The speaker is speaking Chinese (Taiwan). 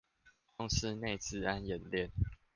公司內資安演練